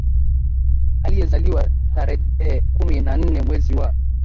Aliyezaliwa tarejhe kumi na nne mwezi wa